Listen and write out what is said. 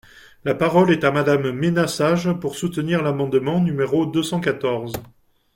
La parole est à Madame Maina Sage, pour soutenir l’amendement numéro deux cent quatorze.